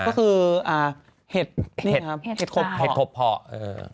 ก็คือแห่ดแห่ดทบเพาะ